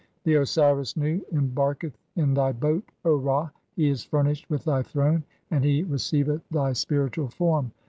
The Osiris Nu embarketh in thy boat, O Ra, '(36) he is furnished with thy throne, and he receiveth thy 'spiritual form.